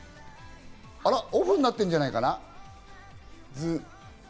オフになってるんじゃないかな？